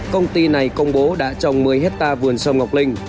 công ty này công bố đã trồng một mươi hectare vườn sâm ngọc linh